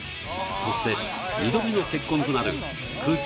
そして二度目の結婚となる空気